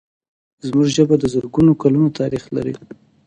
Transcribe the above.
زموږ ژبه د زرګونو کلونو تاریخ لري.